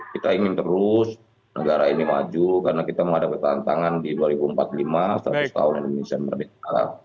kita ingin terus negara ini maju karena kita menghadapi tantangan di dua ribu empat puluh lima seratus tahun indonesia merdeka